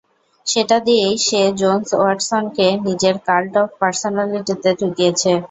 সেটা দিয়েই সে জোন্স-ওয়াটসনকে নিজের কাল্ট অফ পার্সোনালিটিতে ঢুকিয়েছে।